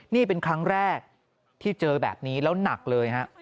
นี่เป็นครั้งแรกที่เจอแบบนี้แล้วหนักเลยฮะ